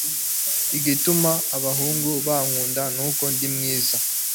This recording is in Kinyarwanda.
Igituma abahungu bankunda nuko ndi mwiza